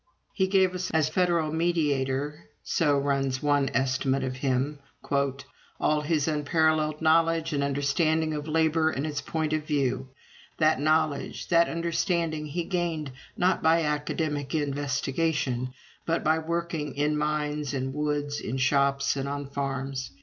"He gave as a Federal mediator," so runs one estimate of him, "all his unparalleled knowledge and understanding of labor and its point of view. That knowledge, that understanding he gained, not by academic investigation, but by working in mines and woods, in shops and on farms.